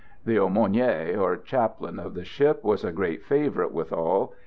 The aumônier or chaplain of the ship was a great favourite with all.